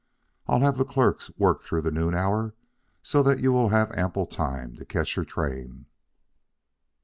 I'll have the clerks work through the noon hour, so that you will have ample time to catch your train."